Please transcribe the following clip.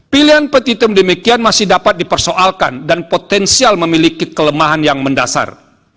pilihan petitum demikian masih dapat dipersoalkan dan potensial memiliki kelemahan yang mendasar